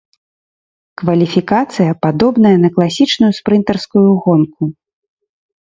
Кваліфікацыя падобная на класічную спрынтарскую гонку.